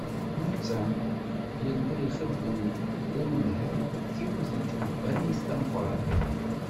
Netta, yalla ixeddem d anemhal deg yiwet n tkebbanit tameqqrant.